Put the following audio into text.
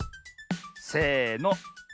せの。